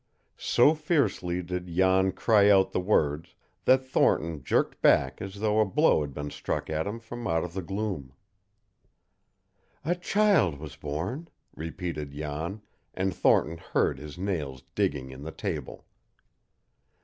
So fiercely did Jan cry out the words that Thornton jerked back as though a blow had been struck at him from out of the gloom. "A child was born!" repeated Jan, and Thornton heard his nails digging in the table.